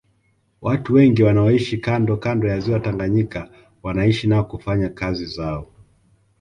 Watu wengi wanaoishi kando kando ya Ziwa Tanganyika wanaishi na kufanya kazi zao